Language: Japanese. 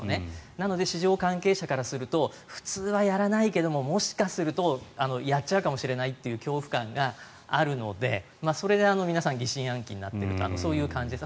なので市場関係者からすると普通はやらないけれどももしかしたらやっちゃうかもしれないという恐怖感があるのでそれで皆さん疑心暗鬼になってるという感じです。